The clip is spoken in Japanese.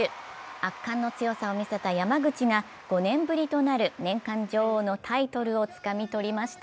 圧巻の強さを見せた山口が５年ぶりとなる年間女王のタイトルをつかみ取りました。